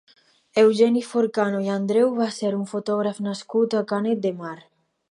Eugeni Forcano i Andreu va ser un fotògraf nascut a Canet de Mar.